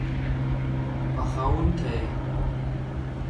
پخوونکی